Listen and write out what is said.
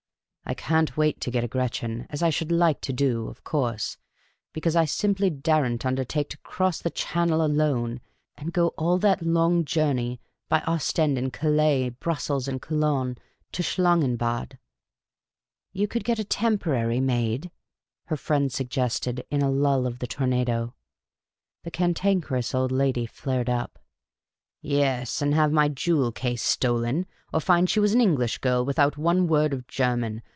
I can't wait to get a Gretchen, as I should like to do, of course, because I simply dare n't undertake to cross the Channel alone and go all that long journey by Ostend or Calais, Brussels and Cologne, to Schlangenbad." lo Miss Cayley's Adventures " You could get a temporary maid," her friend suggested, in a lull of the tornado. The Cantankerous Old Lady flared up. " Yes, and have ray jewel case stolen ! Or find she was an English girl with out one word of German.